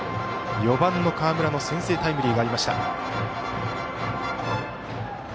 ４番の河村の先制タイムリーがありました。